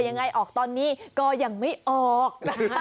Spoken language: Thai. เกิดยังไงออกตอนนี้ก็ยังไม่ออก